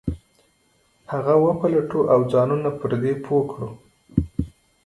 هغه وپلټو او ځانونه پر دې پوه کړو.